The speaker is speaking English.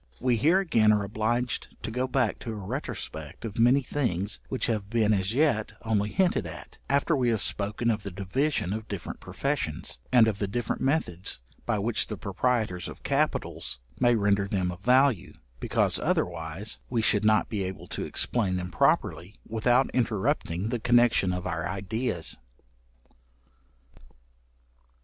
We here again are obliged to go back to a retrospect of many things which have been as yet only hinted at, after we have spoken of the division of different professions, and of the different methods by which the proprietors of capitals may render them of value; because, otherwise, we should not be able to explain them properly, without interrupting the connection of our ideas.